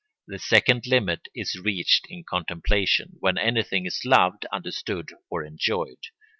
The second limit is reached in contemplation, when anything is loved, understood, or enjoyed.